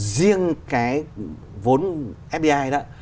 riêng cái vốn fdi đó